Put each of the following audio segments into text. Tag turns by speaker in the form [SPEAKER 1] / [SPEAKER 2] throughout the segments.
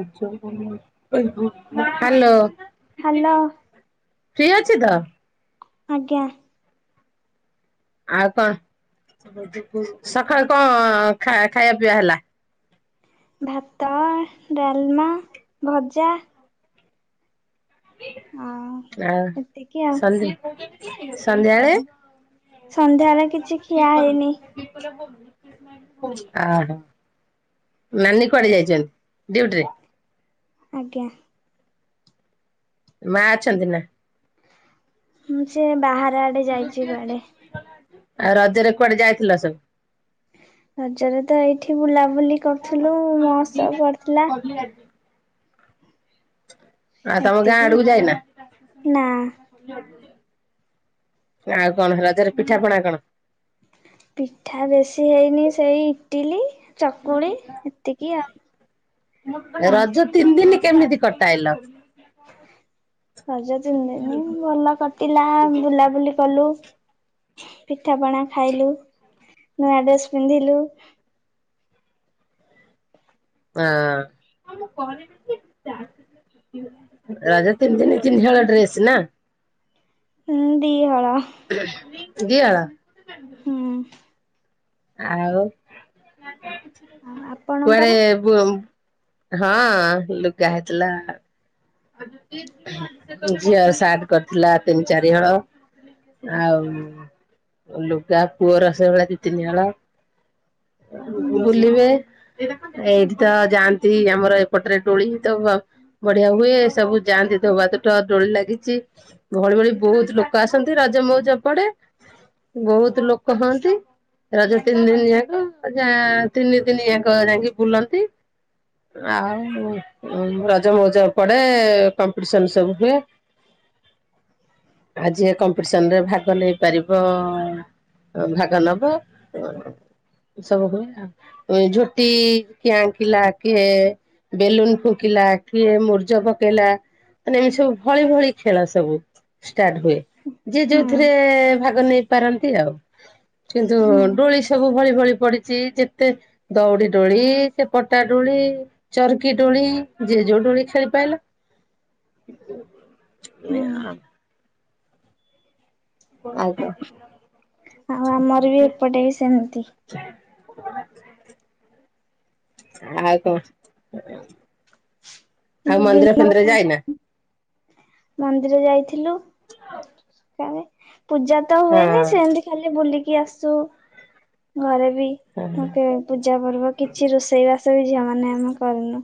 [SPEAKER 1] [inaudible] Hello.
[SPEAKER 2] Hello
[SPEAKER 1] free ଅଛି ତ?
[SPEAKER 2] ଆଜ୍ଞା।
[SPEAKER 1] ଆଉ କଣ ସକାଳୁ କଣ ଖାଇବା ପିଇବା ହେଲା?
[SPEAKER 2] ଭାତ, ଡାଲମା, ଭଜା। ଆଉ
[SPEAKER 1] ଆ
[SPEAKER 2] ଏତିକି ଆଉ
[SPEAKER 1] ସନ୍ଦି ସନ୍ଧ୍ୟାଏଳେ
[SPEAKER 2] ସନ୍ଧ୍ୟାରେ କିଛି ଖିଆ ହେଇନି।
[SPEAKER 1] ଓହୋ ନାନୀ କୁଆଡେ ଯାଇଛନ୍ତି? ଡୁଟିରେ।
[SPEAKER 2] ଆଜ୍ଞା।
[SPEAKER 1] ମା ଅଛନ୍ତି ନା?
[SPEAKER 2] ମୁଁ ସେ ବାହାର ଆଡେ ଯାଇଛି କୁଆଡେ?
[SPEAKER 1] ଆଉ ରଜରେ କୁଆଡେ ଯାଇଥିଲା ସବୁ?
[SPEAKER 2] ରଜରେ ତ ଏଇଠି ବୁଲାବୁଲି କରୁଥିଲୁ ମହୋତ୍ସବ ପଡିଥିଲା।
[SPEAKER 1] ଆଁ ତମ ଗାଁ
[SPEAKER 2] ଏତିକି
[SPEAKER 1] ଆଡକୁ ଯାଇନା?
[SPEAKER 2] ନା
[SPEAKER 1] ଆଉ କଣ ରଜରେ ପିଠା ପଣା କଣ?
[SPEAKER 2] ପିଠା ବେଶୀ ହେଇନି ସେଇ ଇଟିଲି ଚକୁଳି ଏତିକି ଆଉ।
[SPEAKER 1] ରଜ ତିନ ଦିନି କେମିତି କଟାଇଲ?
[SPEAKER 2] ରଜ ତିନିଦିନି ଭଲ କଟିଲା ବୁଲାବୁଲି କଲୁ। ପିଠାପଣା ଖାଇଲୁ ନୂଆ ଡ୍ରେସ ପିନ୍ଧିଲୁ।
[SPEAKER 1] ଆଁ। ରଜ ତିନିଦିନି ତିନିହଳ ଡ୍ରେସ୍ ନା?
[SPEAKER 2] ହୁଁ ଦି ହଳ।
[SPEAKER 1] [unintelligible] ଦି ହଳ?
[SPEAKER 2] ହୁଁ।
[SPEAKER 1] ଆଉ?
[SPEAKER 2] ଆଉ
[SPEAKER 1] କୁଆଡେ
[SPEAKER 2] ଆପଣଙ୍କର?
[SPEAKER 1] ବୁ ହଁ ଲୁଗାହେଇଥିଲା। ଝିଅର ସାର୍ଟ କରିଥିଲା ତିନି ଚାରି ହଳ ଆଉ ଲୁଗା ପୁଅର ସେ ଭଳିଆ ଦି ତିନି ହଳ
[SPEAKER 2] ହୁଁ
[SPEAKER 1] ବୁଲିବେ ଏଇଠି ତ ଯାଆନ୍ତି ଆମର ଏପଟରେ ଦୋଳି ତ ବଢିଆ। ହୁଏ ସବୁ ଯାଆନ୍ତି ଧୋବାତୁଠ ଦୋଳି ଲାଗିଛି ଭଳି ଭଳି ବହୁତ ଲୋକ ଆସନ୍ତି ରଜ ମଉଜ ପଡେ ବହୁତ ଲୋକ ହଅନ୍ତି ରଜ ତିନି ଦିନ ଯାକ ଯା ତିନି ଦିନ ଯାକ ଯାଇକି ବୁଲନ୍ତି ଆଉ ରଜ ମଉଜ ପଡେ କମ୍ପିଟିସନ ସବୁ ହୁଏ ଆଉ ଯିଏ କମ୍ପିଟିସନ ରେ ଭାଗ ନେଇପାରିବ ଭାଗ ନବ ସବୁ ହୁଏ ଆଉ ଝୋ ଟି କିଏ ଆଙ୍କିଲା କିଏ ବେଲୁନ ଫୁକିଲା କି ମୂ ଜ ପକେଇଲା ମାନେ ଏମିତି ସବୁ ଭଳି ଭଳି ଖେଳ ସବୁ ଷ୍ଟାର୍ଟ ହୁଏ। ଯିଏ
[SPEAKER 2] ହୁଁ
[SPEAKER 1] ଯୋଉଥିରେ ଭାଗ ନେଇ ପାରନ୍ତି ଆଉ। କିନ୍ତୁ ଡୋଳି ସବୁ ଭଳି ଭଳି ପଡିଛି ଯେତେ ଦଉଡି ଦୋଳି ସେ ପଟା ଦୋଳି ଚର୍କି ଦୋଳି ଜେ ଯୋଉ ଦୋଳି ଖେଳି ପାଇଲା
[SPEAKER 2] ହୁଁ
[SPEAKER 1] ଆଜ୍ଞା।
[SPEAKER 2] ଆଉ ଆମର ବି ଏପଟେ ବି ସେମତି।
[SPEAKER 1] ଆଉ କଁ? ଆଉ ମନ୍ଦିର
[SPEAKER 2] ବିଭିନ୍ନ
[SPEAKER 1] ଫନ୍ଦିର
[SPEAKER 2] ପ୍ରକାର
[SPEAKER 1] ଯାଇନା?
[SPEAKER 2] ମନ୍ଦିର ଯାଇଥିଲୁ। କାଁ ଯେ ପୂଜା ତ ହୁଏନି
[SPEAKER 1] ହଁ
[SPEAKER 2] ସେମତି ଖାଲି ବୁଲି କି ଆସୁ ଘରେ ବି ମତେ ପୂଜା ପର୍ବ କିଛି ରୋଷେଇ ବାସ ବି ଝିଅମା ନାଁ ଆମେ କରୁନୁ।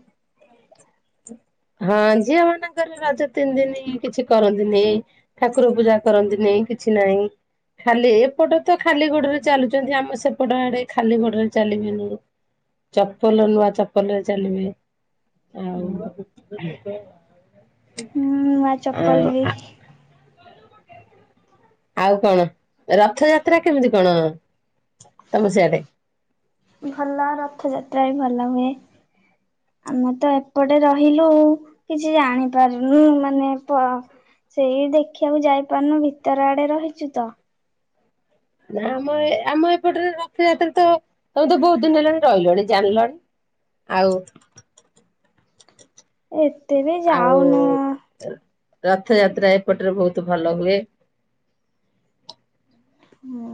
[SPEAKER 1] ହଁ ଝିଅମାନଙ୍କର ରଜ ତିନି ଦିନି କିଛି କରନ୍ତି ନେହିଁ। ଠାକୁର ପୂଜା କରନ୍ତି ନେହିଁ କିଛି ନାହିଁ ଖାଲି ଏପଟ ତ ଖାଲି ଗୋଡ଼ରେ ଚାଲୁଚନ୍ତି ଆମ ସେପଟ ଆଡ଼େ ଖାଲି ଗୋଡ଼ରେ ଚାଲିବେନେଇ ଚପଲ ନୂଆ ଚପଲରେ ଚାଲିବେ। ଆଉ
[SPEAKER 2] ହୁଁ ନୂଆ
[SPEAKER 1] ଆଉ
[SPEAKER 2] ଚପଲରେ
[SPEAKER 1] ଆଉ କଣ ରଥଯାତ୍ରା କେମିତି କଣ ତମ ସିଆଡେ?
[SPEAKER 2] ଭଲ ରଥଯା ତ୍ରା ବି ଭଲ ହୁଏ। ଆମେ ତ ଏପଟେ ରହିଲୁ କିଛି ଜାଣିପାରୁନୁ ମାନେ ପ ସେଇ ଦେଖିବାକୁ ଯାଇପାରୁନୁ ଭିତର ଆଡ଼େ ରହିଚୁ ତ।
[SPEAKER 1] ନାଁ ଆମ ଏ ଆମ ଏପଟରେ ରଥଯାତ୍ରା ତ ତମେ ତ ବୋହୁତ ଦିନ ହେଲାଣି ରହିଲଣି ଜାଣିଲଣି ଆଉ
[SPEAKER 2] ଏ ତେ ବି ଯାଉନୁ
[SPEAKER 1] ଥଯାତ୍ରା ଏପଟରେ ଭୋଉତୁ ଭଲ ହୁଏ।
[SPEAKER 2] ହୁଁ।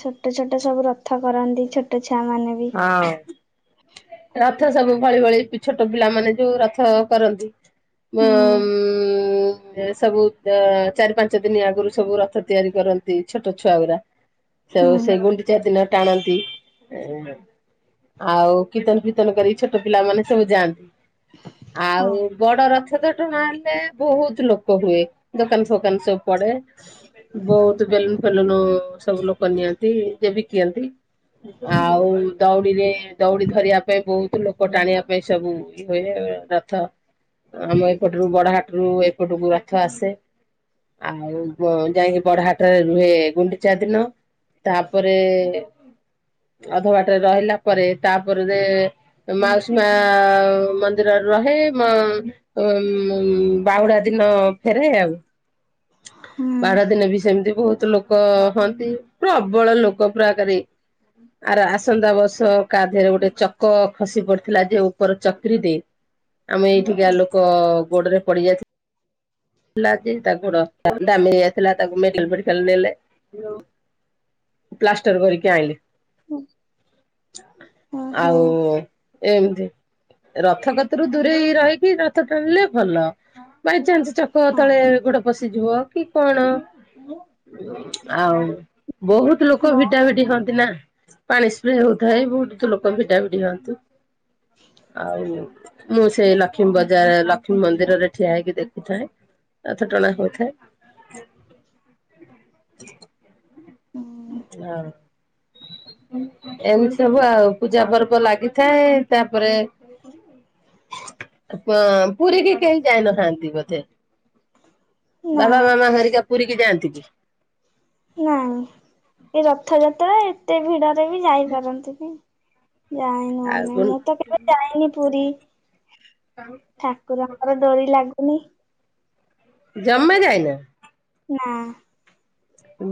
[SPEAKER 2] ଛୋଟ ଛୋଟ ସବୁ ରଥ କରନ୍ତି ଛୋଟ ଛୁଆ ମାନେ ବି
[SPEAKER 1] ହଁ। ର ଥ ସବୁ ଭଳି ଭଳି ପି ଛୋଟ ପିଲାମାନେ ଯୋଉ ରଥ କରନ୍ତି। ମ
[SPEAKER 2] ହୁଁ
[SPEAKER 1] ଉଁ ଏ ସବୁ ଦ ଚାରି ପାଞ୍ଚ ଦିନି ଆଗୁରୁ ସବୁ ରଥ ତିଆରି କରନ୍ତି ଛୋଟ ଛୁଆ ଗୁରା ସେ ଓ
[SPEAKER 2] ହୁଁ
[SPEAKER 1] ସେ ଗୁଣ୍ଡିଚା ଦିନ ଟାଣନ୍ତି। ଉଁ ଆଉ କୀର୍ତ୍ତନ ଫୀର୍ତ୍ତନ କର ଛୋଟ ପିଲାମାନୋନେ ସବୁ ଯାଆନ୍ତି। ଆଉ
[SPEAKER 2] ହଉ
[SPEAKER 1] ବଡ ରଥ ତ ଟଣା ହେଲେ ବୋହୁତ ଲୋକ ହୁଏ ଦୋକାନ ଫୋକାନ ସବୁ ପଡ଼େ ବୋହୁତ ବେଲୁନ୍ ଫେଲୁନ୍ ସବୁ ଲୋକ ନିଅନ୍ତି ଯେ ବିକିନ୍ତି। ଆଉ ଦଉଡ଼ିରେ ଦଉଡ଼ି ଧରିବା ପାଇଁ ବୋହୁତ ଲୋକ ଟାଣିବା ପାଇଁ ସବୁ ଇ ହୁଏ ରଥ ଆମ ଏପଟୁରୁ ବଡ଼ହାଟରୁ ଏପଟୁକୁ ରଥ ଆସେ ଆଉ ବ ଯାଇଁକି ବଡ଼ହାଟରେ ରୁହେ ଗୁଣ୍ଡିଚା ଦିନ। ତାପରେ ଅଧ ବା ଟ୍ ରେ ରହିଲା ପରେ ତାପରେ ମାଉସୀ ମା ମନ୍ଦିରରେ ରହେ ମ ଉଁ ବାହୁଡ଼ା ଦିନ ଫେରେ ଆଉ।
[SPEAKER 2] ହୁଁ
[SPEAKER 1] ବାହୁଡ଼ା ଦିନେ ବି ସେମତି ବୋହୁ ଲୋକ ହୁଅନ୍ତି ପ୍ରବଳ ଲୋକ ପୁରାକାରେ ଆର ଆସନ୍ତା ବର୍ଷ କାଧେରେ ଗୋଟେ ଚକ ଖସି ପଡ଼ିଥିଲା ଯେ ଉପର ଚକ୍ରିଟେ ଆମେ ଏଇଠିକା ଲୋକ ଗୋଡ଼ରେ ପଡ଼ି ଯାଇଥି ଲା ଯେ ତା ଗୋଡ଼ [unintelligible] ଦାମିରି ଆଇଥିଲା ତାକୁ ମେଡ଼ିକାଲ୍ ଫେଡ଼ିକାଲ୍ ନେଲେ। ପ୍ଲା ଷ୍ଟର୍ କରିକି ଆଇଁଲେ।
[SPEAKER 2] ହୁଁ
[SPEAKER 1] ଆଉ
[SPEAKER 2] ହଉ
[SPEAKER 1] ଏମତି ରଥ କତୁରୁ ଦୂରେଇ ରହିକି ରଥ ଟାଣିଲେ ଭଲ ବାଇଚାନ୍ସ୍ ଚକ
[SPEAKER 2] ହଁ
[SPEAKER 1] ତଳେ ଗୋଡ଼ ପଶି ଶି ଯିବ କି କଣ ଆଉ ବହୁତ ଲୋକ ଭିଡ଼ା ଭିଡ଼ି ହୁଅନ୍ତି ନା। ପାଣିସି ସ୍ପ୍ରେ ହଉଥାଏ ବହୁତ ଲୋକ ଭିଡା ଭିଡ଼ି ହୁଅନ୍ ତୁ ଆଉ ମୁଁ ସେଇ ଲକ୍ଷ୍ମୀ ବଜାର ଲକ୍ଷ୍ମୀ ମନ୍ଦିରରେ ଠିଆ ହେଇକି ଦେଖୁଥାଏ। ରଥ ଟଣା ହଉଥା ଥାଏ। ହଁ ଏମିତି ସବୁ ଆଉ ପୂଜା ପର୍ବ ଲାଗିଥାଏ। ତାପରେ ପ- ପୁରୀ କି କେହି ଯାଇନଥାନ୍ତି ବୋଧେ।
[SPEAKER 2] ନା
[SPEAKER 1] ବାବା ମାମା ହେରିକା ପୁରୀ କି ଯାଆନ୍ତି କି?
[SPEAKER 2] ନାଇଁ। ଏ ରଥ ଯାତ୍ ତ ଏତେ ଭିଡ ରେ ବି ଯାଇପାରନ୍ତିନି। ଯାାଇନୁ
[SPEAKER 1] ଆଉ
[SPEAKER 2] ଆମେ,
[SPEAKER 1] ଗୁଣ୍ଡ
[SPEAKER 2] ମୁଁ ତ କେବେ ଯାଇନି ପୁରୀ। ଠାକୁରଙ୍କର ଡୋରି ଲାଗୁ ପୁନେ
[SPEAKER 1] ଜମା ଯାଇନ?
[SPEAKER 2] ନା।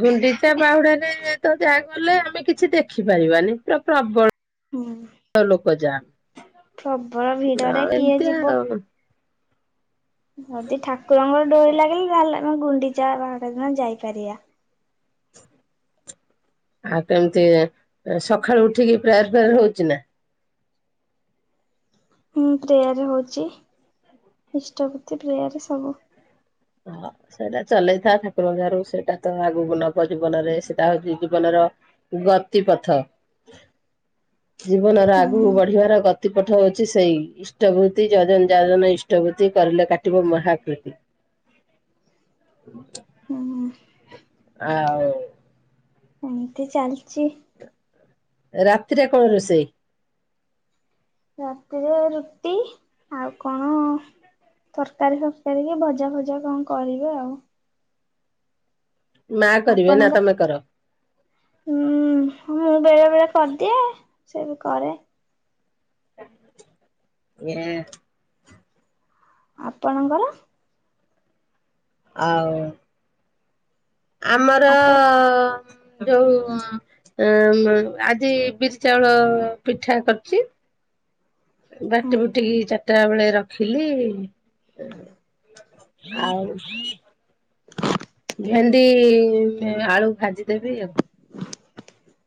[SPEAKER 1] ଗୁଣ୍ଡିଚା ବାହୁଡାରେ ତ ଯାହା ଗଲେ ଆମେ କିଛି ଦେଖିପାରିବାନି। ପୁରା ପ୍ରବଳ
[SPEAKER 2] ହୁଁ।
[SPEAKER 1] ଗଜା
[SPEAKER 2] ପ୍ରବଳ ଭିଡରେ କିଏ ଯିବ।
[SPEAKER 1] ଆଉ।
[SPEAKER 2] ଯଦି ଠାକୁରଙ୍କର ଡୋରି ଲାଗିଲେ ତାହେଲେ ମୁଁ ଗୁଣ୍ଡିଚା ଆଉ ବାହୁଡ଼ା ଦିନ ଯାଇପାରିବା।
[SPEAKER 1] ଆଉ କେମିତି ଏ ସକାଳୁ ଉଠିକି ପ୍ରେୟାର୍ ଫେୟାର ହଉଚି ନା?
[SPEAKER 2] ହୁଁ ପ୍ରେୟାର୍ ହଉଚି। ଇଷ୍ଟ ପ୍ରତି ପ୍ରେୟାର୍ ସବୁ।
[SPEAKER 1] ହଁ ସେଇଟା ଚଲେଇଥା ଠାକୁରଙ୍କ ଦୟାରୁ ସେଇଟା ତ ଆଗକୁ ନବ। ଜୀବନରେ ସେଟା ହଉଚି ଜୀବନର ଗତି ପଥ। ଜୀବନର
[SPEAKER 2] ହୁଁ
[SPEAKER 1] ଆଗକୁ ବଢିବାର ଗତି ପଥ ହଉଛି ସେଇ ଇଷ୍ଟବୂତି। ଯଜନ ଯାଜନ ଇଷ୍ଟବୂତି କରିଲେ କାଟିବ ମହାକୃତି।
[SPEAKER 2] ହୁଁ
[SPEAKER 1] [inaudible] ଆଉ
[SPEAKER 2] ଏମିତି ଚାଲଚି।
[SPEAKER 1] ରାତିରେ କଣ ରୋଷେଇ?
[SPEAKER 2] ରାତିରେ ରୁଟି ଆଉ କଣ ତରକାରୀ ଫରକାରୀ କି ଭଜା ଫଜା କଣ କରିବେ ଆଉ।
[SPEAKER 1] ମା କରିବେ, ନା
[SPEAKER 2] ଆପଣଙ୍କ
[SPEAKER 1] ତୋମେ କର?
[SPEAKER 2] ହୁଁ ମୁଁ ବେଳେ ବେଳେ କରିଦିଏ। ସେ ବି କରେ।
[SPEAKER 1] ଏଁ,
[SPEAKER 2] ଆପଣଙ୍କର?
[SPEAKER 1] ଆଉ ଆମର
[SPEAKER 2] ଆପ
[SPEAKER 1] ଅ, ଯୋଉ ଏ ଅ ଆଜି ବିରି ଚାଉଳ ପିଠା କରିଛି।
[SPEAKER 2] ହୁଁ
[SPEAKER 1] ବାଟି ବୁଟିକି ଚାରିଟା ବେଳେ। ରଖିଲି ଆଉ। ଭେଣ୍ଡି ଆଳୁ ଭାଜି ଦେବି ଆଉ।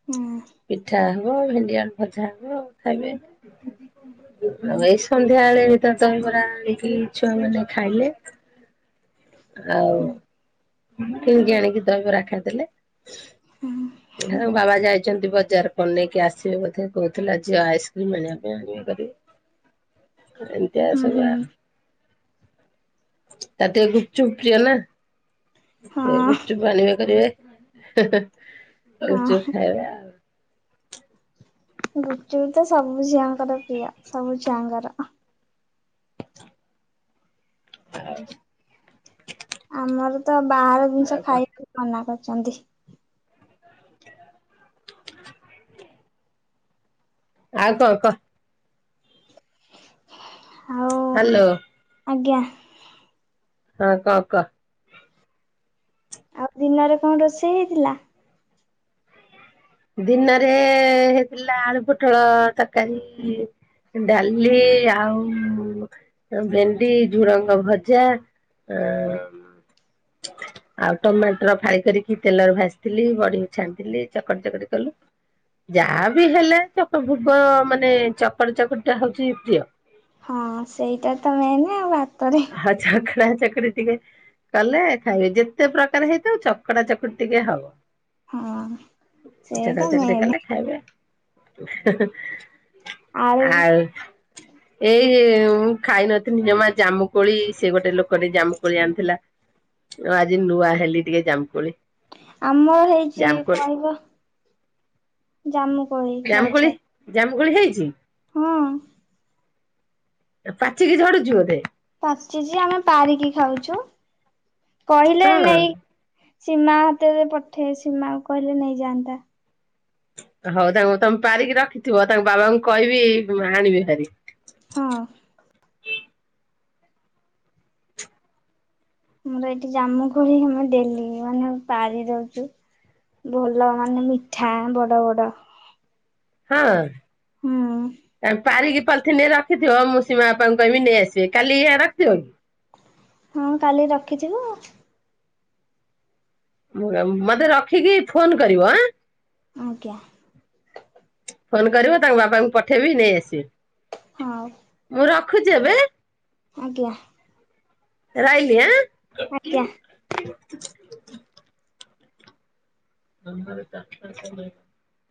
[SPEAKER 2] ହୁଁ
[SPEAKER 1] ପିଠା ହବ ଭେଣ୍ଡିଆଳୁ ଭଜା ହବ ଖାଇବେ। ଆଉ ଏଇ ସନ୍ଧ୍ୟାବେଳେ ତ ଦହିବରା ଆଣିକି ଛୁଆମାନେ ଖାଇଲେ। ଆଉ
[SPEAKER 2] ହୁଁ
[SPEAKER 1] କିଣିକି ଆଣିକି ଦହିବରା ଖାଇଦେଲେ। ଆଉ ବାବା ଯାଇ ଯେମିତି ବଜାର କଣ ନେଇକି ଆସିବେ ବୋଧେ। କହୁଥିଲା ଝିଅ ଆଇସ୍କ୍ରିମ ଆଣିବା ପାଇଁ ଆଣିବେ କରିବେ। ଏମିତିଆ ସବୁ
[SPEAKER 2] ହୁଁ
[SPEAKER 1] ଆ ତାର ଟିକେ ଗୁପ୍ ଚୁପ୍ ପ୍ରିୟ ନା। ଏ
[SPEAKER 2] ହଁ
[SPEAKER 1] ଗୁପଚୁପ ଆଣିବେ କରିବେ। [unintelligible] ଗୁପଚୁପ୍
[SPEAKER 2] ହଁ
[SPEAKER 1] ଖାଇବା ଆଉ।
[SPEAKER 2] ଗୁପଚୁପ ତ ସବୁ ଝିଅଙ୍କର ପ୍ରିୟ ସବୁ ଛୁଆଙ୍କର।
[SPEAKER 1] ଆଉ।
[SPEAKER 2] ଆମର ତ ବାହାର ଜିନିଷ
[SPEAKER 1] କଣ?
[SPEAKER 2] ଖାଇବାକୁ ମନା କରି ଛନ୍ତି।
[SPEAKER 1] ଆଉ କଣ କହ।
[SPEAKER 2] ଆଉ
[SPEAKER 1] ହ୍ୟାଲୋ।
[SPEAKER 2] ଆଜ୍ଞା।
[SPEAKER 1] ହଁ କଣ କହ।
[SPEAKER 2] ଆଉ ଦିନରେ କଣ ରୋଷେଇ ହେଇଥିଲା?
[SPEAKER 1] ଦିନରେ ହେଇଥିଲା ଆଳୁ ପୋଟଳ ତରକାରୀ, ଡାଲି ଆଉ ଭେଣ୍ଡି, ଝୁଡ଼ଙ୍ଗ ଭଜା ଆଉ ଟମାଟର ଫାଳି କରିକି ତେଲରେ ଭାଜିଥିଲି, ବଡି ଛାଣିଥିଲି ଚ ଚକଡା ଚକଡି କଲୁ ଯାହା ବିି ହେଲେ [unintelligible] ମାନେ ଚକଡା ଚକଡି ଟା ହଉଛି ପ୍ରିୟ।
[SPEAKER 2] ହଁ ସେଇଟା ତ ମେନ ଆଉ ଭା
[SPEAKER 1] [unintelligible] ଚକୁଡା ଟିକେ କଲେ ଖାଇବେ ଯେତେ ପ୍ରକାର ହେଇଥାଉ ଚକଡ଼ା ଚକୁ ଟିକେ ହବ।
[SPEAKER 2] ହଁ
[SPEAKER 1] ଚକଡା
[SPEAKER 2] ସେଇଟା
[SPEAKER 1] ଚକଡି
[SPEAKER 2] ମେନେ।
[SPEAKER 1] କଲେ ଖାଇବେ
[SPEAKER 2] ଆଳୁ
[SPEAKER 1] [unintelligible] ଆଉ ଏଇ ସିଏ ଉଁ ଖାଇନଥିଲି ଜମା ଜାମୁ କୋଳି ସେ ଗୋଟେ ଲୋକ ଟିକେ ଜାମୁକୋଳି ଆଣିଥିଲା ଆଜି ନୂଆ ହେଲି ଟିକେ ଜାମୁକୋଳି।
[SPEAKER 2] ଆମର ହେଇଛି
[SPEAKER 1] ଜାମୁକୋଳି
[SPEAKER 2] କହିବ, ଜାମୁ କୋ
[SPEAKER 1] ଜାମୁକୋଳି ଜାମ [unintelligible] ହେଇଛି।
[SPEAKER 2] ହଁ।
[SPEAKER 1] ପାଚିକି ଝଡୁଛି ବୋଧେ?
[SPEAKER 2] ପାଚିଛି ଆମେ ପାରିକି ଖାଉଛୁ। କହିଲେ
[SPEAKER 1] ହଁ।
[SPEAKER 2] ନେଇ। ସୀମା ହାତରେ ପଠେଇବି, ସୀମାକୁ କହିଲେ ନେଇଯାଆନ୍ତା।
[SPEAKER 1] ହଉ ତାଙ୍କୁ ତମେ ପାରିକି ରଖିଥିବ, ତାଙ୍କ ବାବାଙ୍କୁ କହିବି ଆଣିବେ ଭାରି।
[SPEAKER 2] ହଁ ଆମର ଏଠି ଜାମୁ କୋଳି ଆମେ ଡେଲି ମାନେ ପାରି ଦଉଛୁ ଭଲ ମାନେ ମିଠା ବଡ ବଡ।
[SPEAKER 1] ହଁ।
[SPEAKER 2] ହୁଁ
[SPEAKER 1] ତମେ ପାରିକି ବାଲକୁନି ରେ ରଖିଥିବ ମୁଁ ସୀମା ବାପାଙ୍କୁ କହିବି ନେଇଆସିବେ କାଲି ଇ ରଖିଥିବ କି?
[SPEAKER 2] ହଁ କାଲି ରଖିଥିବୁ।
[SPEAKER 1] ମତେ ରଖିକି ଫୋନ କରିବ ଆଁ।
[SPEAKER 2] ଆଜ୍ଞା ।
[SPEAKER 1] ଫୋନ କରିବ ତାଙ୍କ ବାପାଙ୍କୁ ପଠେଇବି ନେଇ ଆସିବେ।
[SPEAKER 2] ହଁ।
[SPEAKER 1] ଖୋଜି ହେବେ।
[SPEAKER 2] ଆଜ୍ଞା।
[SPEAKER 1] ରହିଲି ଆଁ।
[SPEAKER 2] ଆଜ୍ଞା।
[SPEAKER 1] [inaudible] [unintelligible]